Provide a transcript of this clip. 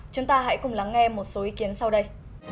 chúng ta hãy cùng lắng nghe một số ý kiến sau đây